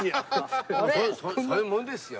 そういうもんですよ。